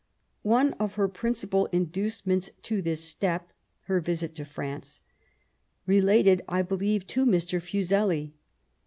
... One of her principal inducements to this step [her visit to France], related, I believe, to Mr. Fuseli.